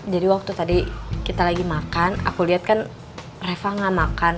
jadi waktu tadi kita lagi makan aku liat kan reva gak makan